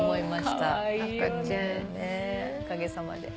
おかげさまで。